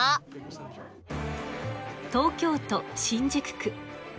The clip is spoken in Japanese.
東京都新宿区。